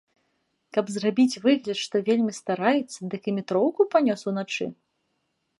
Каб зрабіць выгляд, што вельмі стараецца, дык і метроўку панёс уначы?